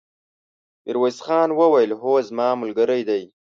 ميرويس خان وويل: هو، زما ملګری دی!